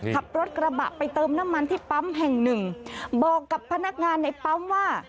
ขับรถกระบะไปเติมน้ำมันที่ปั๊มแห่งหนึ่งบอกกับพนักงานในปั๊มว่า